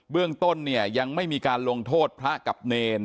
เรื่องต้นเนี่ยยังไม่มีการลงโทษพระกับเนร